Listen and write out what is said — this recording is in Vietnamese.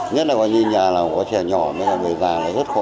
nhất là có nghĩa là nhà là có trẻ nhỏ mới là người già là hết khổ